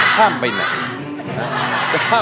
ข้ามข้ามข้ามข้ามข้าม